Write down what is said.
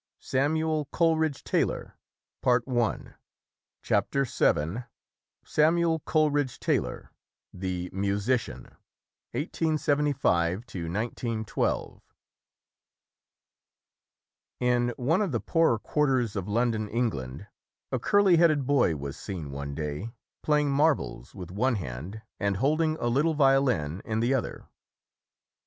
SAMUEL COLERIDGE TAYLOR Chapter VII SAMUEL COLERIDGE TAYLOR THE MUSICIAN 1875 1912 IN one of the poorer quarters of London, Eng land, a curly headed boy was seen one day playing marbles with one hand and holding a little violin in the other.